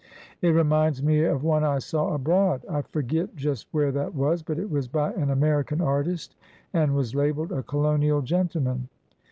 It reminds me of one I saw abroad. I forget just where that was,— but it was by an American artist, and was labeled ' A Colonial Gentleman.